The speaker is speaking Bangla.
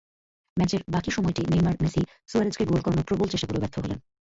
ম্যাচের বাকি সময়টি নেইমার-মেসি সুয়ারেজকে গোল করানোর প্রবল চেষ্টা করেও ব্যর্থ হলেন।